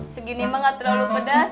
segini mah gak terlalu pedes